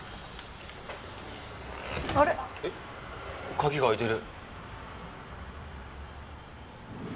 カギが開いてる。